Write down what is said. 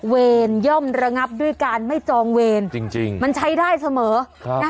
เวรย่อมระงับด้วยการไม่จองเวรจริงจริงมันใช้ได้เสมอครับนะ